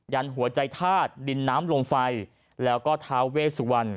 ันหัวใจธาตุดินน้ำลงไฟแล้วก็ท้าเวสวรรณ